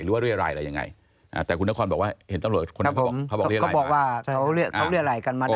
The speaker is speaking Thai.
หรือว่าเรียร่ายอะไรยังไงอ่าแต่คุณนครบอกว่าเห็นตำรวจคนนั้นเขาบอกเขาบอกว่าเขาเรียร่ายกันมาได้